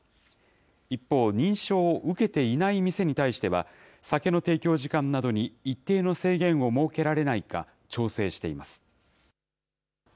一方、認証を受けていない店に対しては、酒の提供時間などに一定の制限を設けられないか、調整しています。